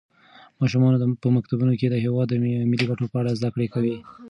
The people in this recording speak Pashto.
ماشومان په مکتبونو کې د هېواد د ملي ګټو په اړه زده کړه کوي.